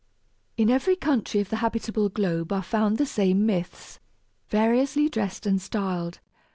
In every country of the habitable globe are found the same myths, variously dressed and styled.